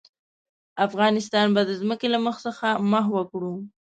افغانستان به د ځمکې له مخ څخه محوه کړو.